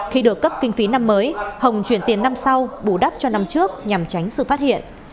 khi được cấp kinh phí năm mới hồng chuyển tiền năm sau bù đắp cho năm trước nhằm tránh sự phát hiện